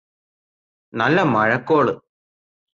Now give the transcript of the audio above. നല്ല മഴക്കോള്